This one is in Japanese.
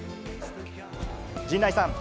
陣内さん。